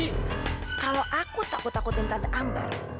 kalau aku takut takutin tanda ambar